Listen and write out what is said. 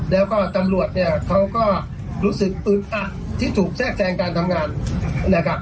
แล้วก็ตำรวจเนี่ยเขาก็รู้สึกอึดอัดที่ถูกแทรกแทรงการทำงานนะครับ